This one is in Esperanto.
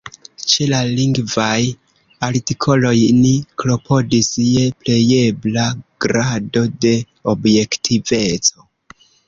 Ĉe la lingvaj artikoloj ni klopodis je plejebla grado de objektiveco.